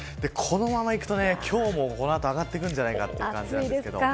このままいくと、今日もこの後上がってくるんじゃないかと思います。